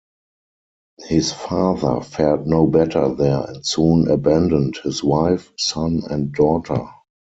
His father fared no better there and soon abandoned his wife, son, and daughter.